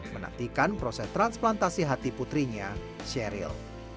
menantikan proses transplantasi hati putrinya sheryl